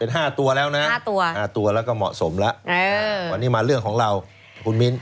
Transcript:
เป็น๕ตัวแล้วนะ๕ตัวแล้วก็เหมาะสมแล้ววันนี้มาเรื่องของเราคุณมิ้น